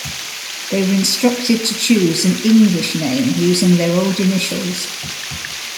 They were instructed to choose an "English" name using their old initials.